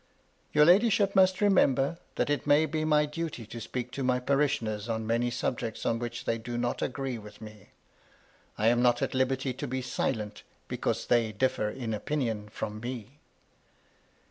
" Your ladyship must remember that it may be my duty to speak to my parishioners on many subjects on which they do not agree with me. I am not at liberty to be silent, because they differ in opinion from me."